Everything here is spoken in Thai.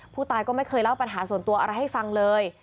ผู้ตายก็ไม่เคยเล่าปัญหาส่วนตัวอะไรให้ฟังเลย